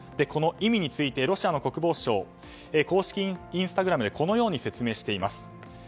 この意味についてロシアの国防省公式インスタグラムでこのように説明しています。